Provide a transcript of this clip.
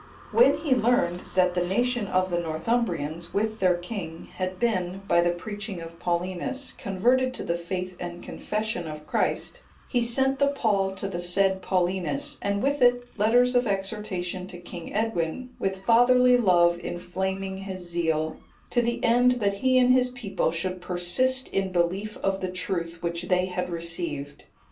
When he learned that the nation of the Northumbrians, with their king, had been, by the preaching of Paulinus, converted to the faith and confession of Christ, he sent the pall to the said Paulinus, and with it letters of exhortation to King Edwin, with fatherly love inflaming his zeal, to the end that he and his people should persist in belief of the truth which they had received.